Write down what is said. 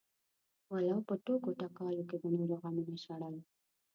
ولو په ټوکو ټکالو کې د نورو غمونه شړل.